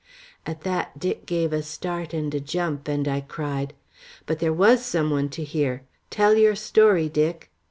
At that Dick gave a start and a jump, and I cried: "But there was some one to hear. Tell your story, Dick!"